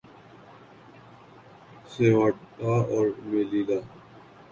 Ceuta اور Melilla